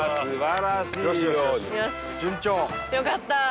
よかった！